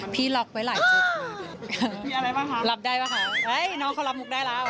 พี่ล็อคไว้หลายจุด